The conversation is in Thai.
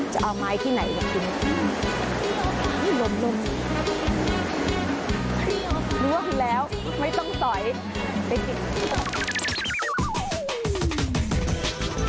จะเอาไม้ที่ไหนนะคุณ